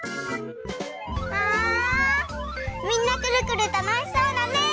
あみんなくるくるたのしそうだね。